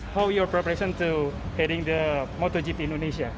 bagaimana persiapan anda untuk mengembali motor jip indonesia